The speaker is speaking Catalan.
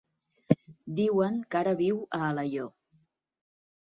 Diuen que ara viu a Alaior.